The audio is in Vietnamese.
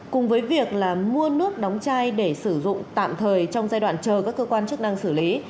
cùng với việc mua nước đóng chai để sử dụng tạm thời trong giai đoạn chờ các cơ quan chức năng xử lý